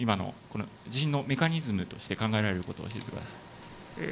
地震のメカニズムとして考えられることを教えてください。